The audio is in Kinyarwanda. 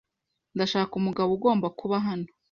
Ndashaka umugabo ugomba kuba hano.